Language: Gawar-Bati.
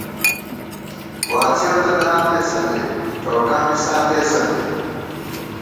واڅېؤ تہ دامېسہ نئی، کؤٹا بی ساتېسہ نئی